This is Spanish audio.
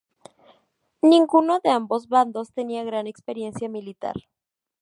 Ninguno de ambos bandos tenía gran experiencia militar.